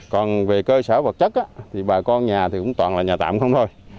còn về cơ sở vật chất thì bà con nhà thì cũng toàn là nhà tạm không thôi